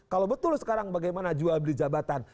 kalau betul sekarang bagaimana jual beli jabatan